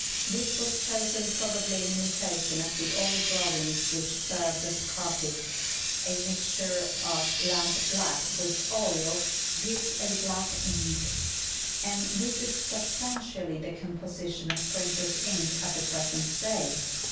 This was chosen probably in imitation of the old drawings which served as copies. A mixture of lamp black with oil gives a black ink; and this is substantially the composition of printer's ink at the present day.